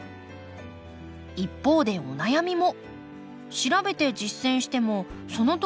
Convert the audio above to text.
一方でお悩みも。